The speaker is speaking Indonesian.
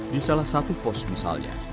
di salah satu pos misalnya